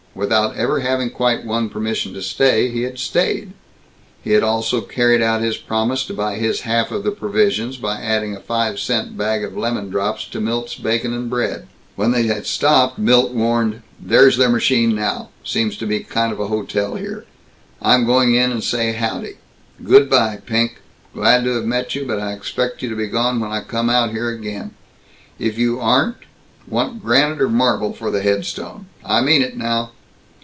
Without ever having quite won permission to stay, he had stayed. He had also carried out his promise to buy his half of the provisions by adding a five cent bag of lemon drops to Milt's bacon and bread. When they had stopped, Milt warned, "There's their machine now. Seems to be kind of a hotel here. I'm going in and say howdy. Good by, Pink. Glad to have met you, but I expect you to be gone when I come out here again. If you aren't Want granite or marble for the headstone? I mean it, now!"